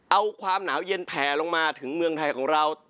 เอาความหนาวเย็นแผ่ลงมาถึงเมืองไทยของเรา